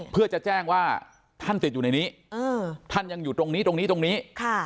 เพื่อจะแจ้งว่าท่านติดอยู่ในนี้ท่านยังอยู่ตรงนี้ตรงนี้ตรงนี้